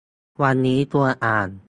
วันนี้ชวนอ่าน